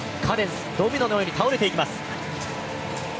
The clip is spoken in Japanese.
ドミノのように倒れていきます。